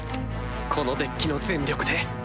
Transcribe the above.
このデッキの全力で！